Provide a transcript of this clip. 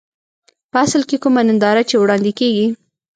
په اصل کې کومه ننداره چې وړاندې کېږي.